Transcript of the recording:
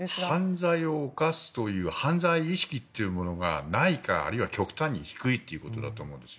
犯罪を犯すという犯罪意識というものがないか、あるいは極端に低いということだと思います。